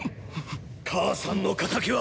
母さんの仇は！！